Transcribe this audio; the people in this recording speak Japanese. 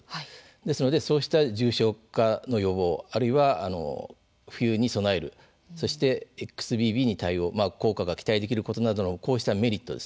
ですのでそうした重症化の予防、あるいは冬に備える、そしてＸＢＢに対応効果が期待できることなどこうしたメリット